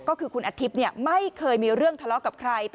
ก็คือคุณอาทิตย์ไม่เคยมีเรื่องทะเลาะกับใคร